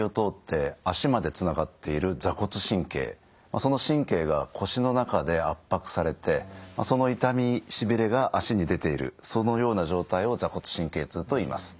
その神経が腰の中で圧迫されてその痛みしびれが脚に出ているそのような状態を坐骨神経痛といいます。